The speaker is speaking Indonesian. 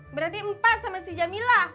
berarti empat sama si jamila